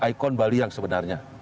ikon bali yang sebenarnya